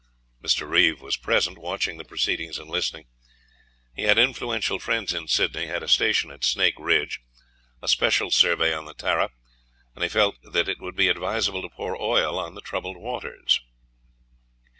Mr. Reeve was present, watching the proceedings and listening. He had influential friends in Sydney, had a station at Snake Ridge, a special survey on the Tarra, and he felt that it would be advisable to pour oil on the troubled waters.